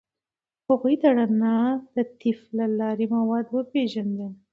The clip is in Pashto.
هغوی د رڼا د طیف له لارې مواد وپیژندل.